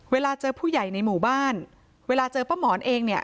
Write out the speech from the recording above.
เวลาเจอผู้ใหญ่ในหมู่บ้านเวลาเจอป้าหมอนเองเนี่ย